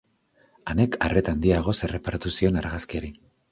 Anek arreta handiagoz erreparatu zion argazkiari.